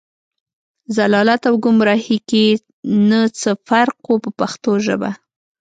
ضلالت او ګمراهۍ کې نه څه فرق و په پښتو ژبه.